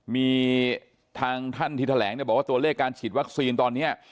มีทางท่านที่แถลงเนี่ยบอกว่าตัวเลขการฉีดวัคซีนตอนนี้